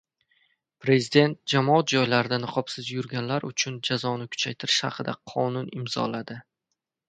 Prezident jamoat joylarida niqobsiz yurganlar uchun jazoni kuchaytirish haqida qonun imzoladi